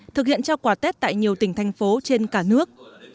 thực hiện trao quà tết tại nhiều tỉnh thành phố trên cả nước